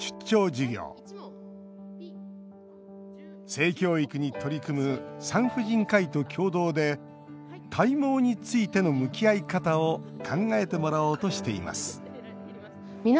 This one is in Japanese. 性教育に取り組む産婦人科医と共同で体毛についての向き合い方を考えてもらおうとしています